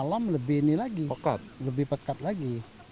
kalau asap ini kalau malam lebih pekat lagi